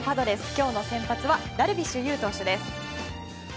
今日の先発はダルビッシュ有投手です。